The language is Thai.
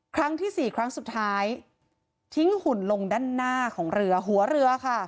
ครั้งที่สี่ครั้งสุดท้ายทิ้งหุ่นลงด้านหน้าของเรือหัวเรือค่ะ